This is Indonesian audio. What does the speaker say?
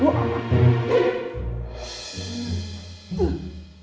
masuk mau ngapain sih mau ngumpul